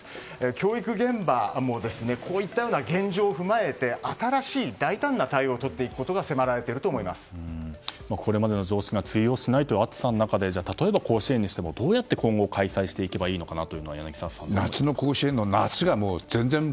教育現場もこうした現状を踏まえて新しい大胆な対応をとっていくことがこれまでの常識が通用しないという暑さの中で例えば甲子園にしてもどうやって今後開催していけばいいのかと。